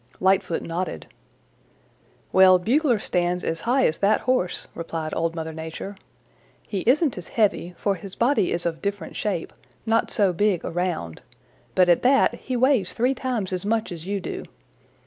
Lightfoot nodded. "Well, Bugler stands as high as that Horse," replied Old Mother Nature. "He isn't as heavy, for his body is of different shape, not so big around, but at that he weighs three times as much as you do.